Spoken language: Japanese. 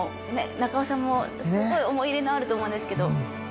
中尾さんもすっごい思い入れのあると思うんですけど。